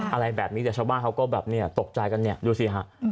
อะไรแบบนี้เดี๋ยวชาวบ้านเขาก็ตกใจกันเนี่ยดูสิฮะ